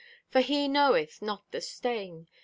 For He knoweth not the stain.